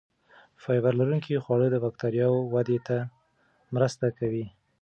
فایبر لرونکي خواړه د بکتریاوو ودې ته مرسته کوي.